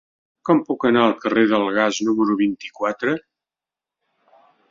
Com puc anar al carrer del Gas número vint-i-quatre?